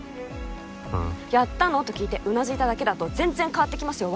うん「やったの？」と聞いてうなずいただけだと全然変わってきますよ